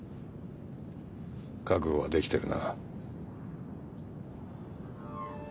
覚悟はできてるな？